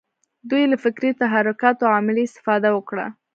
دوی له فکري تحرکاتو عملي استفاده وکړه.